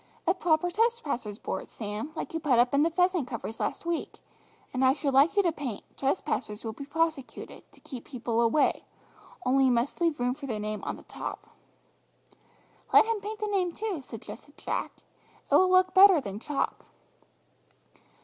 "A proper trespassers' board, Sam, like you put up in the pheasant covers last week, and I should like you to paint, 'Trespassers will be prosecuted,' to keep people away, only you must leave room for the name on the top." "Let him paint the name too," suggested Jack, "it would look better than chalk."